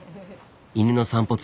犬の散歩